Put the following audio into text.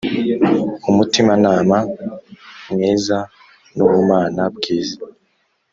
umutimanama mwiza nubumana bwiza